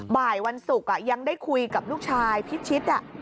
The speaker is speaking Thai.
บ่ายวันศุกร์ยังได้คุยกับลูกชายพิชิต